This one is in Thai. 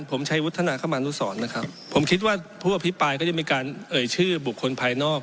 ผมใช้วุฒนาคมานุสรนะครับผมคิดว่าผู้อภิปรายก็จะมีการเอ่ยชื่อบุคคลภายนอก